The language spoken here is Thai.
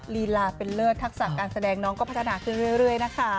ลีลาเป็นเลิศทักษะการแสดงน้องก็พัฒนาขึ้นเรื่อยนะคะ